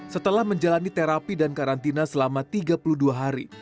setelah menjalani terapi dan karantina selama tiga puluh dua hari